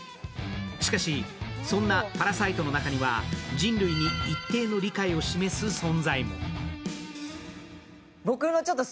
しかし、そんなパラサイトの中には人類に一定の理解を示す存在も。